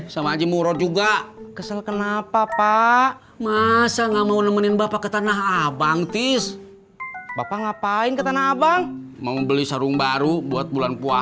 sampai jumpa di video selanjutnya